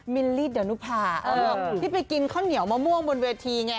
ลลี่ดานุภาที่ไปกินข้าวเหนียวมะม่วงบนเวทีไง